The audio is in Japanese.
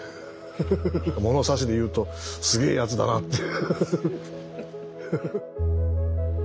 物差しで言うとすげえやつだなっていう。